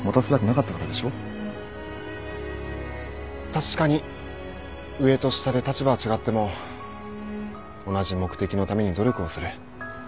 確かに上と下で立場は違っても同じ目的のために努力をする。